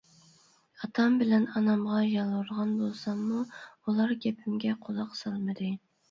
ئاتام بىلەن ئانامغا يالۋۇرغان بولساممۇ ئۇلار گېپىمگە قۇلاق سالمىدى.